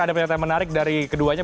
ada pernyataan menarik dari keduanya